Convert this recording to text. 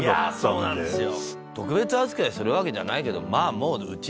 そうなんですよ。